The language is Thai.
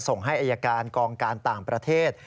ส่งให้อายการกองการต่างประเทศ